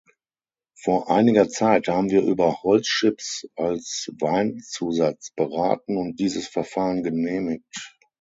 Vor einiger Zeit haben wir über Holzchips als Weinzusatz beraten und dieses Verfahren genehmigt.